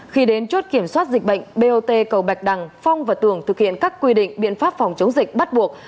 khi đến chốt kiểm soát dịch bệnh bot cầu bạch đằng phong và tường thực hiện các quy định biện pháp phòng chống dịch bắt buộc